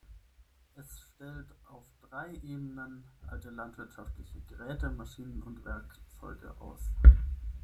Es stellt auf drei Ebenen alte landwirtschaftliche Geräte, Maschinen und Werkzeuge aus.